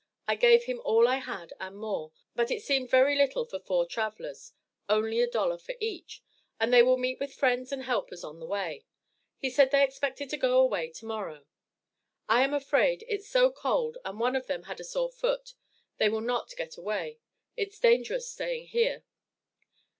I gave him all I had and more, but it seemed very little for four travelers only a dollar for each but they will meet with friends and helpers on the way. He said they expected to go away to morrow. I am afraid, it's so cold, and one of them had a sore foot, they will not get away it's dangerous staying here.